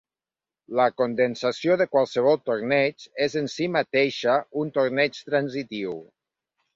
La condensació de qualsevol torneig és en si mateixa un torneig transitiu.